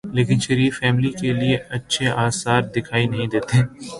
لیکن شریف فیملی کے لیے اچھے آثار دکھائی نہیں دیتے۔